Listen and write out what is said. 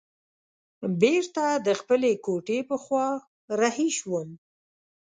بیرته د خپلې کوټې په خوا رهي شوم.